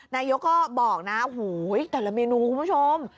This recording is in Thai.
นายกก็บอกนะโอ้โหแต่ละเมนูคุณผู้ชม